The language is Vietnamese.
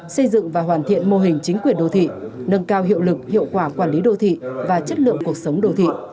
xây dựng và hoàn thiện mô hình chính quyền đô thị nâng cao hiệu lực hiệu quả quản lý đô thị và chất lượng cuộc sống đô thị